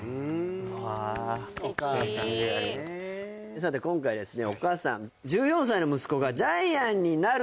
さて今回ですね